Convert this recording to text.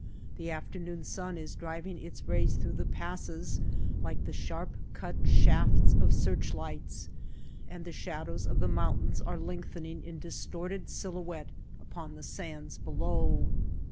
The afternoon sun is driving its rays through the passes like the sharp cut shafts of search lights, and the shadows of the mountains are lengthening in distorted silhou ette upon the sands below.